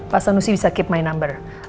pak sanusi bisa keep my number